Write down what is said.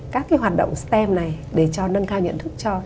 các cái hoạt động stem này để cho nâng cao nhận thức cho